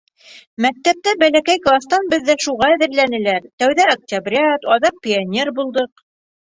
Мәктәптә бәләкәй кластан беҙҙе шуға әҙерләнеләр, тәүҙә октябрят, аҙаҡ пионер булдыҡ.